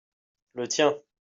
le tien.